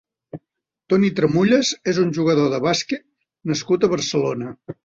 Toni Tramullas és un jugador de bàsquet nascut a Barcelona.